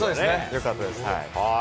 よかったです。